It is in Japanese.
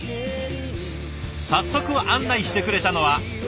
早速案内してくれたのは。